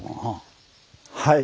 はい。